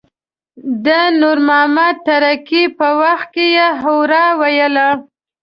د نور محمد تره کي په وخت کې يې هورا ویله.